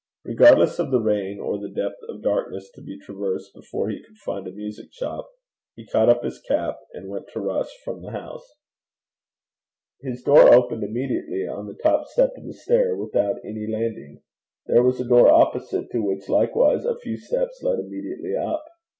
Regardless of the rain or the depth of darkness to be traversed before he could find a music shop, he caught up his cap, and went to rush from the house. His door opened immediately on the top step of the stair, without any landing. There was a door opposite, to which likewise a few steps led immediately up.